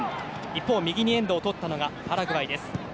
一方、右にエンドをとったのはパラグアイ。